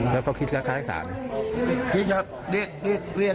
แล้วเค้าคิดแล้วค่ารักษามั้น